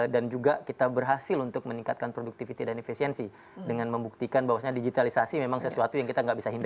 dan juga kita berhasil untuk meningkatkan productivity dan efisiensi dengan membuktikan bahwasannya digitalisasi memang sesuatu yang kita nggak bisa hindari